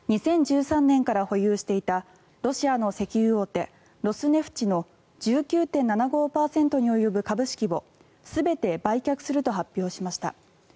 ２０１３年から保有していたロシアの石油大手ロスネフチの１９．７５％に及ぶ株式を全て売却すると発表しました。